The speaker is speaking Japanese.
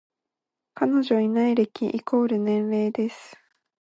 彼女いない歴イコール年齢です